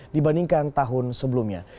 dibandingkan tahun sebelumnya